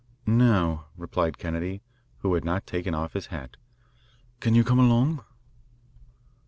"Now," replied Kennedy, who had not taken off his hat. "Can you come along?"